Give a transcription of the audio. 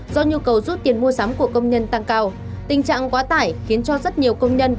do nhu cầu rút tiền mua sắm của công nhân tăng cao tình trạng quá tải khiến cho rất nhiều công nhân